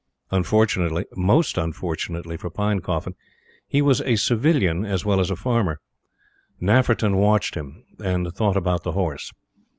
Unfortunately most unfortunately for Pinecoffin he was a Civilian, as well as a farmer. Nafferton watched him, and thought about the horse.